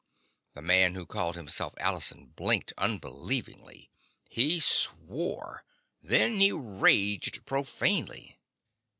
The man who called himself Allison blinked unbelievingly. He swore. Then he raged profanely.